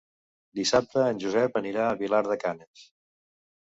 Dissabte en Josep anirà a Vilar de Canes.